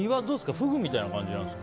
フグみたいな感じなんですか？